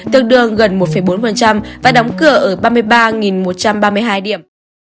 tương đương gần một bốn và đóng cửa ở ba mươi ba một trăm ba mươi hai điểm